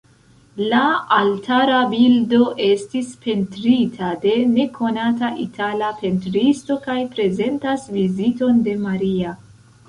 La altara bildo estis pentrita de nekonata itala pentristo kaj prezentas Viziton de Maria.